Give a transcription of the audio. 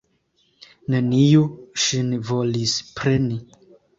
Neniu ŝin volis preni.